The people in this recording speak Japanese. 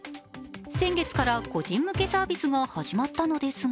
先月から個人向けサービスが始まったのですが